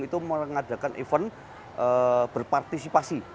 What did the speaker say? itu mengadakan event berpartisipasi